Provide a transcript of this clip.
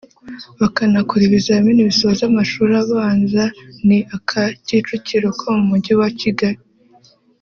bakanakora ibizamini bisoza amashuri abanza ni aka Kicukiro ko mu Mujyi wa Kigali